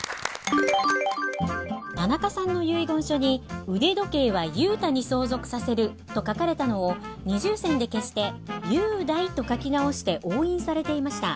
田中さんの遺言書に「腕時計は雄太に相続させる」と書かれたのを二重線で消して「雄大」と書き直して押印されていました。